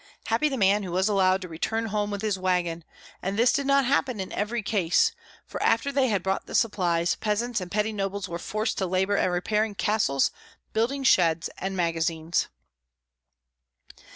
Happy the man who was allowed to return home with his wagon; and this did not happen in every case, for after they had brought the supplies peasants and petty nobles were forced to labor at repairing castles, building sheds and magazines.